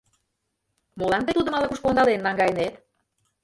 Молан тый тудым ала-кушко ондален наҥгайынет?